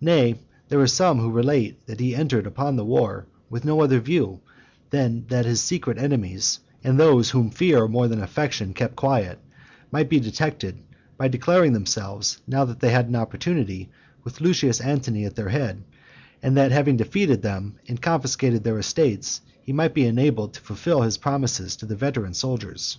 Nay, there are some who relate, that he entered upon the war with no other view, than that his secret enemies, and those whom fear more than affection kept quiet, might be detected, by declaring themselves, now they had an opportunity, with Lucius Antony at their head; and that having defeated them, and confiscated their estates, he might be enabled to fulfil his promises to the veteran soldiers.